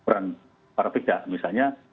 peran para pihak misalnya